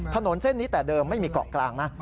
ถนนเส้นนี้แต่เดิมไม่มีเกาะกลางนะ